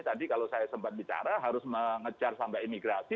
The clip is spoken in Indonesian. tadi kalau saya sempat bicara harus mengejar sampai imigrasi